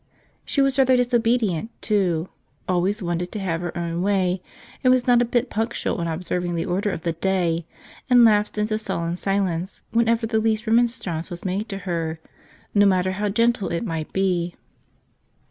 She was rather disobedient, too — always wanted to have her own way, was not a bit punctual in observing the order of the day, and lapsed into sullen silence whenever the least remonstrance was made to her, no matter how gentle it might be.